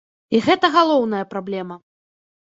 І гэта галоўная праблема.